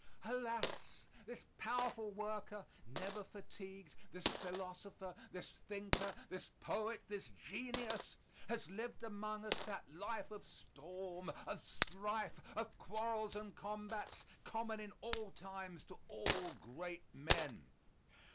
Alas! this powerful worker, never fatigued, this philosopher, this thinker, this poet, this genius, has lived among us that life of storm, of strife, of quarrels and combats, common in all times to all great men.